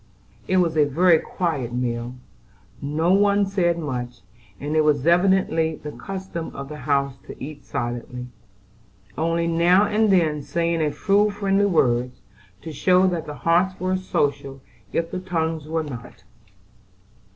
It was a very quiet meal, for no one said much; and it was evidently the custom of the house to eat silently, only now and then saying a few friendly words, to show that the hearts were social if the tongues were not.